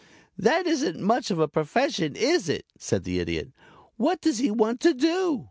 "That isn't much of a profession, is it," said the Idiot. "What does he want to do?"